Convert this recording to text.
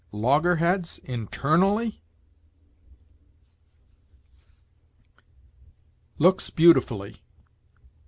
Loggerheads internally?! LOOKS BEAUTIFULLY.